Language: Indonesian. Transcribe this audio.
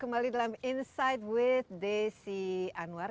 kembali dalam insight with desi anwar